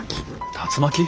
竜巻！？